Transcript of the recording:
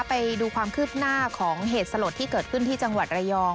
ไปดูความคืบหน้าของเหตุสลดที่เกิดขึ้นที่จังหวัดระยอง